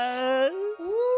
お。